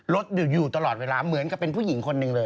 รถอยู่ตลอดเวลาเหมือนกับเป็นผู้หญิงคนหนึ่งเลย